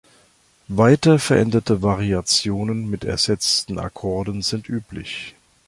Weiter veränderte Variationen mit ersetzten Akkorden sind üblich.